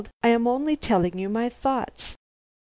I am only telling you my thoughts.